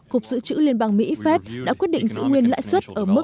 cục dự trữ liên bang mỹ phép đã quyết định giữ nguyên mức lãi suất ở mức hai hai mươi năm hai năm